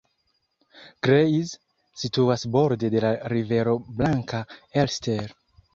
Greiz situas borde de la rivero Blanka Elster.